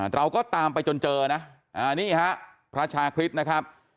เราก็ตามไปจนเจอนะนี่ฮะพระชาคริสต์นะครับ